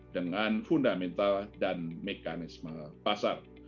dengan fundamental dan mekanisme pasar